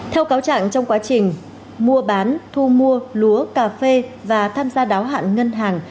theo cáo trạng trong quá trình mua bán thu mua lúa cà phê và tham gia đáo hạn ngân hàng